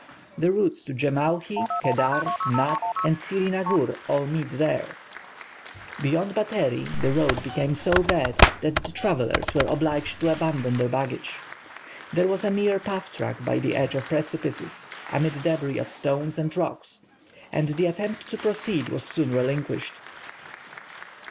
The routes to Jemauhi, Kedar, Nath, and Sirinagur all meet there. Beyond Batheri the road became so bad that the travellers were obliged to abandon their baggage. There was a mere path track by the edge of precipices, amid débris of stones and rocks; and the attempt to proceed was soon relinquished.